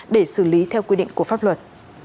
để xử lý theo quy định của pháp luật